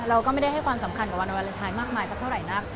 เราก็ไม่ได้ให้ความสำคัญกับวันวาเลนไทยมากมายสักเท่าไหร่นัก